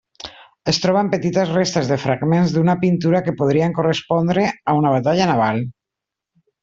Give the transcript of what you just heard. Es troben petites restes de fragments de pintura que podrien correspondre a una batalla naval.